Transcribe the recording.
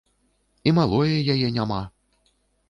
І малое яе няма!